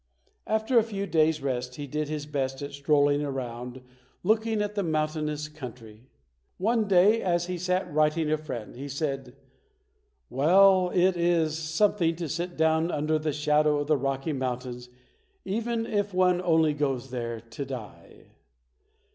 After a few days' rest, he did his best at strolling around looking at the mountainous country. One day, as he sat writing a friend, he said, "Well, it is something to sit down under the shadow of the Rocky Mountains even if one only goes there to die".